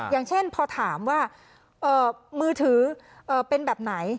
อย่างเช่นพอถามว่ามือถือเป็นแบบไหน